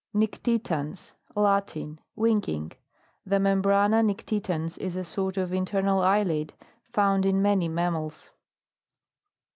NICTITANS. Latin. Winking. The membrana nictitans, is a sort of internal eyelid, found in many mammals.